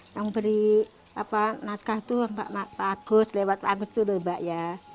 yang beri naskah itu pak agus lewat agus itu lho mbak ya